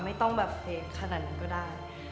ไม่ต้องแบบเพลงขนาดนั้นก็ได้